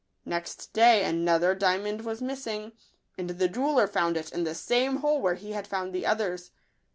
Next day another diamond was missing ; and the jeweller found it in the same hole where he had found the others.